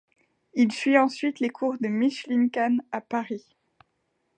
Il suit ensuite les cours de Micheline Khan à Paris.